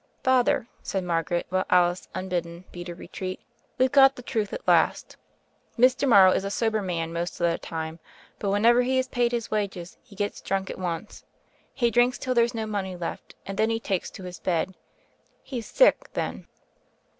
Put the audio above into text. "Father," said Margaret, while Alice, unbid den, beat a retreat, "we've got the truth at last. Mr. Morrow is a sober man most of the time; but whenever he is paid his wages he gets drunk at once; he drinks till there's no money left, and then he takes to his bed. He's sick then."